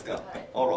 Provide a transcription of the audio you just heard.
あら！